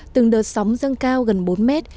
từng đợt sóng dâng cao gần bốn mét